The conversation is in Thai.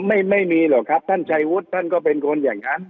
ไม่มีหรอกครับท่านชัยวุฒิท่านก็เป็นคนอย่างนั้น